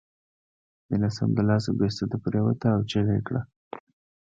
مينه سمدلاسه بې سده پرېوته او چيغه یې کړه